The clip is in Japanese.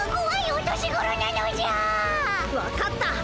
わかった。